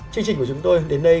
chương trình của chúng tôi đến nay